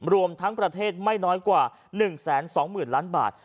รวมทั้งประเทศไม่น้อยกว่า๑๒๐๐๐ล้านบาท